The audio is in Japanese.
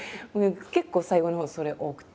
結構最後のほうそれ多くて。